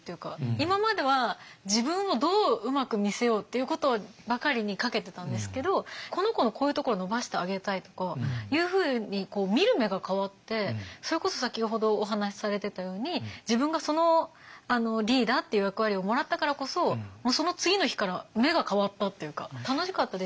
今までは自分をどううまく見せようっていうことばかりにかけてたんですけどこの子のこういうところを伸ばしてあげたいとかいうふうに見る目が変わってそれこそ先ほどお話しされてたように自分がそのリーダーっていう役割をもらったからこそもう次の日から目が変わったっていうか楽しかったです。